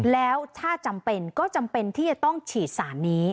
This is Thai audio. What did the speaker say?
แล้วถ้าจำเป็นก็จำเป็นที่จะต้องฉีดสารนี้